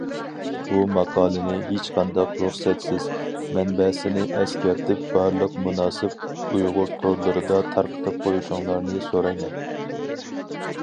بۇ ماقالىنى ھېچقانداق رۇخسەتسىز، مەنبەسىنى ئەسكەرتىپ بارلىق مۇناسىپ ئۇيغۇر تورلىرىدا تارقىتىپ قويۇشۇڭلارنى سورايمەن.